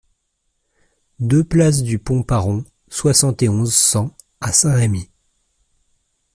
deux place du Pont-Paron, soixante et onze, cent à Saint-Rémy